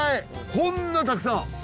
こんなたくさん。